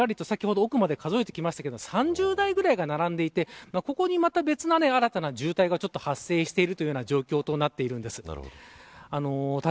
こちら、ずらりと先ほど奥まで数えてきましたけど３０台ぐらいが並んでいて別の新たな渋滞が発生している状況となっています。